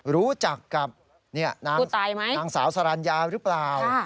รู้จักกับนางสาวสรรญาหรือเปล่า